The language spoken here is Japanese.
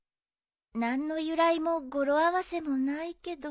何の由来も語呂合わせもないけど。